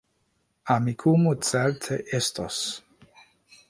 Amikumu certe estos